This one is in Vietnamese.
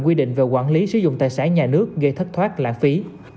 quy định về quản lý sử dụng tài sản nhà nước gây thất thoát lãng phí